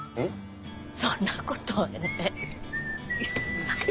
そんなことえ？